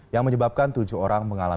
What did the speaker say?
yang menyebabkan tujuh orang berada di rumah